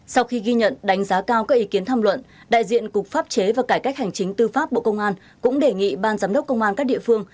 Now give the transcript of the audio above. sau khi ghi nhận đánh giá cao các ý kiến tham luận đại diện cục pháp chế và cải cách hành chính tư pháp bộ công an cũng đề nghị ban giám đốc công an các địa phương